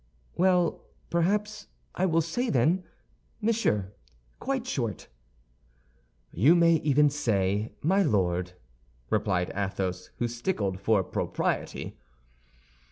"Well, perhaps. I will say, then, Monsieur, quite short." "You may even say, My Lord," replied Athos, who stickled for propriety.